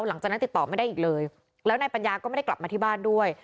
หลังจากนั้นติดต่อไม่ได้อีกเลยแล้วนายปัญญาก็ไม่ได้กลับมาที่บ้านด้วย